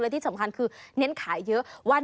ที่สำคัญคือเน้นขายเยอะ